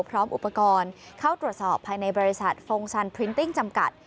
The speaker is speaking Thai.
พร้อมอุปกรณ์เข้าตรวจสอบภายในบริษัทฟงซันพรินติ้งจำกัด